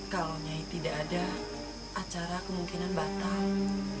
kalau tidak ada acara kemungkinan batal